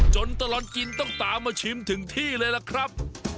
ตลอดกินต้องตามมาชิมถึงที่เลยล่ะครับ